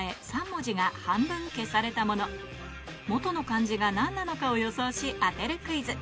３文字が半分消されたもの元の漢字が何なのかを予想し当てるクイズ